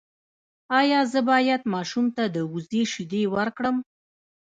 ایا زه باید ماشوم ته د وزې شیدې ورکړم؟